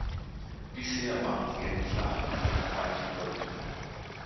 Bisher waren die Gänge flach und breit gewölbt.